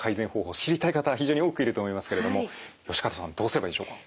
知りたい方は非常に多くいると思いますけれども善方さんどうすればいいでしょうか。